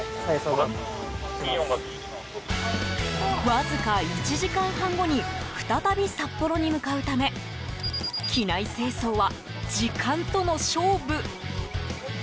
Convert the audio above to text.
わずか１時間半後に再び札幌に向かうため機内清掃は、時間との勝負。